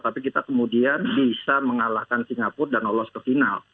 tapi kita kemudian bisa mengalahkan singapura dan lolos ke final